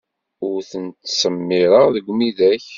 Ur ten-ttsemmireɣ deg umidag.